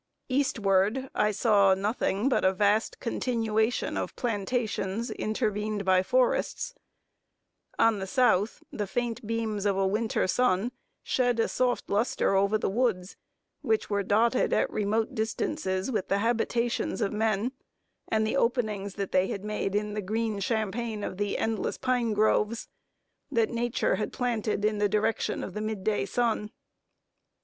Eastward, I saw nothing but a vast continuation of plantations, intervened by forests; on the South, the faint beams of a winter sun shed a soft lustre over the woods, which were dotted at remote distances, with the habitations of men, and the openings that they had made in the green champaign of the endless pine groves, that nature had planted in the direction of the midday sun.